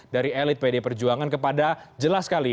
dari elit pd perjuangan kepada jelas sekali